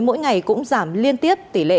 mỗi ngày cũng giảm liên tiếp tỷ lệ